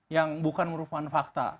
yang bukan merupakan fakta